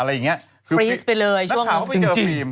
อะไรอย่างนี้คือฟรีสไปเลยช่วงจริงนักฐานเขาไปเจอฟิล์ม